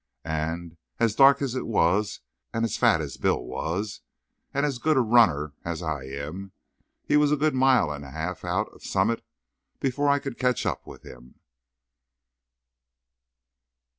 And, as dark as it was, and as fat as Bill was, and as good a runner as I am, he was a good mile and a half out of Summit before I could catch up with him.